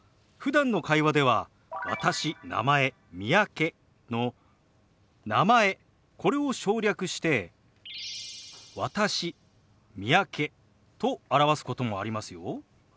ふだんの会話では「私」「名前」「三宅」の「名前」これを省略して「私」「三宅」と表すこともありますよ。